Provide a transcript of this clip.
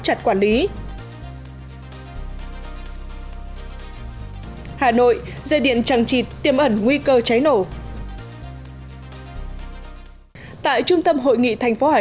chặt quản lý hà nội dây điện trăng trịt tiêm ẩn nguy cơ cháy nổ tại trung tâm hội nghị thành phố hải